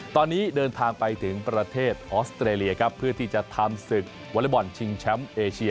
ตอนนี้เดินทางไปถึงประเทศออสเตรเลียครับเพื่อที่จะทำศึกวอเล็กบอลชิงแชมป์เอเชีย